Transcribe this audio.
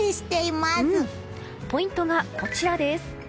ポイントがこちらです。